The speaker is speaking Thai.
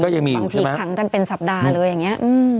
บางทีขังกันเป็นสัปดาห์เลยอย่างนี้